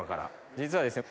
実はですね